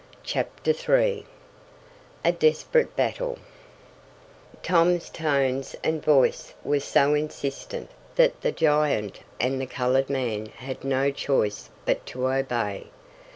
CHAPTER III A DESPERATE BATTLE Tom's tones and voice were so insistent that the giant and the colored man had no choice but to obey.